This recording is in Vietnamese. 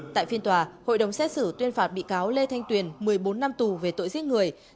tại phiên tòa hội đồng xét xử tuyên phạt bị cáo lê thanh tuyền một mươi bốn năm tù về tội giết người